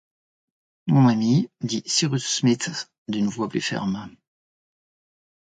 Mon ami, dit Cyrus Smith d’une voix plus ferme